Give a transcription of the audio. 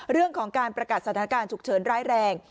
เรื่องของการประกาศสถานการณ์ฉุกเฉินร้ายแรง